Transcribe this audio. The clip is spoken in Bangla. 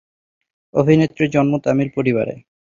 অভিনেত্রীর জন্ম তামিল পরিবাবে।